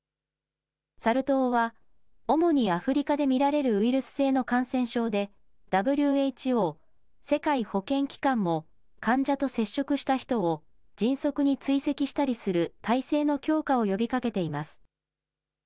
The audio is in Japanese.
サル痘は、主にアフリカで見られるウイルス性の感染症で、ＷＨＯ・世界保健機関も、患者と接触した人を、迅速に追跡したりする態勢の強化を呼びかけています。